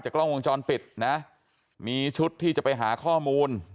กล้องวงจรปิดนะมีชุดที่จะไปหาข้อมูล